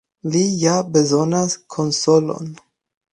Li ja bezonas konsolon.